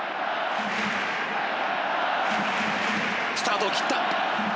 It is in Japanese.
スタートを切った。